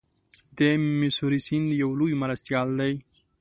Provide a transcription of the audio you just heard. د میسوری سیند یو لوی مرستیال دی.